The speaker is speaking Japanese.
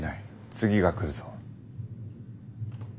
次が来るぞ。